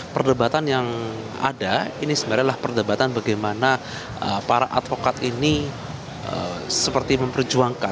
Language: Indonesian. perdebatan yang ada ini sebenarnya adalah perdebatan bagaimana para advokat ini seperti memperjuangkan